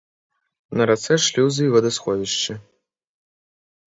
На рацэ шлюзы і вадасховішчы.